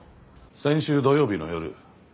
先週土曜日の夜お前